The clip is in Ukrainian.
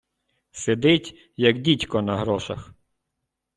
Сидить, як дідько на грошах.